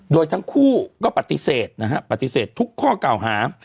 โดยทั้งคู่ก็ปฏิเสธนะฮะปฏิเสธทุกข้อเก่าหา